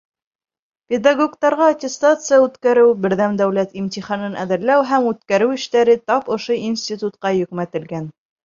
Педагогтарға аттестация үткәреү, Берҙәм дәүләт имтиханын әҙерләү һәм үткәреү эштәре тап ошо институтҡа йөкмәтелгән.